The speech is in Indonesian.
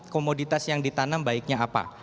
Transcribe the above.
komoditas yang ditanam baiknya apa